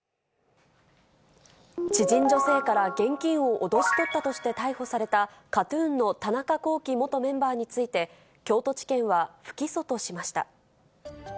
知人女性から現金を脅し取ったとして逮捕された、ＫＡＴーＴＵＮの田中聖元メンバーについて、京都地検は不起訴としました。